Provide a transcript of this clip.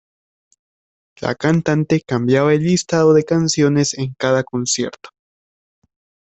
La cantante cambiaba el listado de canciones en cada concierto.